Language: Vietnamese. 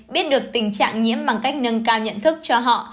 biết được tình trạng nhiễm bằng cách nâng cao nhận thức cho họ